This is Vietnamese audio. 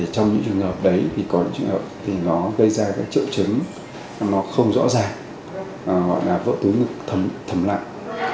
trong những trường hợp đấy thì có những trường hợp nó gây ra triệu chứng không rõ ràng gọi là vỡ túi ngực thầm lặng